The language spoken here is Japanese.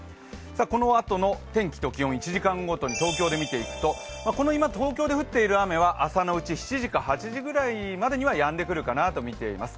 このあとの天気と気温、１時間ごとに東京で見ていくと、この今、東京で降っている雨は朝のうち７時か８時ぐらいまでにはやんでくるかなと思っています。